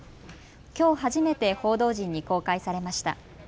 きょう初めて報道陣に公開されました。